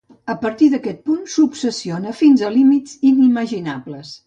A partir d'aquest punt, s'obsessiona fins a límits inimaginables.